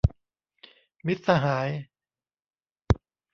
มิตรสหาย